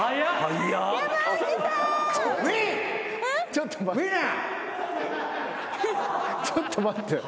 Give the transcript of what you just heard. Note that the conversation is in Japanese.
ちょっと待ってよ。